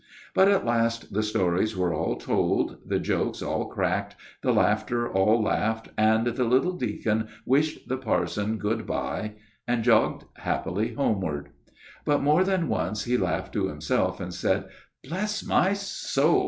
But at last the stories were all told, the jokes all cracked, and the laughter all laughed, and the little deacon wished the parson good by, and jogged happily homeward; but more than once he laughed to himself, and said, "Bless my soul!